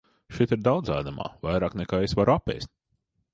Šeit ir daudz ēdamā, vairāk nekā es varu apēst.